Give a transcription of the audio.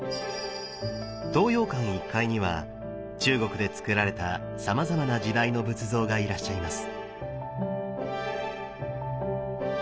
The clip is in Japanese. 東洋館１階には中国でつくられたさまざまな時代の仏像がいらっしゃいます。